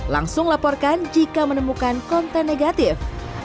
langsung laporkan jika menemukan konten negatif